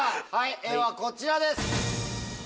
絵はこちらです。